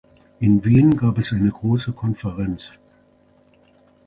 In Wien gab es eine große Konferenz.